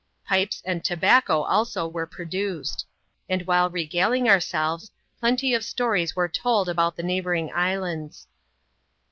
Pipes and tobacco also were produced; and while re galing ourselves, plenty of stories were told about the neigh bouring islands.